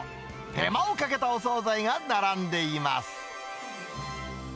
手間をかけたお総菜が並んでいます。